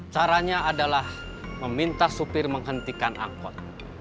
caranya adalah meminta supir menghentikan angkot